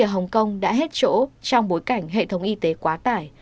ở hồng kông đã hết chỗ trong bối cảnh hệ thống y tế quá tải